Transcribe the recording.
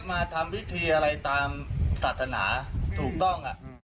มาทำพิธีอะไรตามศาสนาถูกต้อง